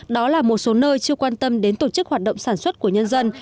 đó là một số nơi chưa quan tâm đến tổ chức hoạt động sản xuất của nhân dân